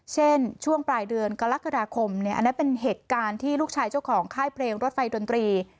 ช่วงปลายเดือนกรกฎาคมอันนั้นเป็นเหตุการณ์ที่ลูกชายเจ้าของค่ายเพลงรถไฟดนตรี